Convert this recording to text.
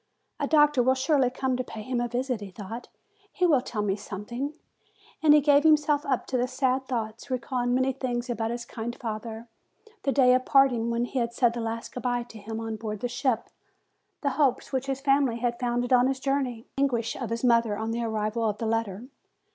"A doctor will surely come to pay him a visit," he thought; "he will tell me something." And he gave himself up to sad thoughts, recalling many things about his kind father, the day of part ing, when he had said the last good bye to him on board the ship, the hopes which his family had founded on his journey, the anguish of his mother on the arrival of the letter.